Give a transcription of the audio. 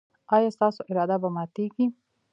ایا ستاسو اراده به ماتیږي؟